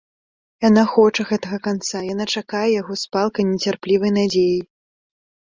Яна хоча гэтага канца, яна чакае яго з палкай нецярплівай надзеяй.